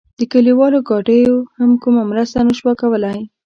د کلیوالو ګاډیو هم کومه مرسته نه شوه کولای.